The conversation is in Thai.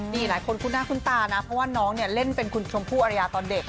นี่หลายคนคุ้นหน้าคุ้นตานะเพราะว่าน้องเนี่ยเล่นเป็นคุณชมพู่อรยาตอนเด็ก